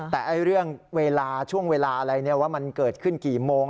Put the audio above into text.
แต่เรื่องเวลาช่วงเวลาอะไรว่ามันเกิดขึ้นกี่โมง